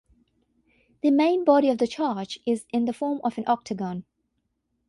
The main body of the church is in the form of an octagon.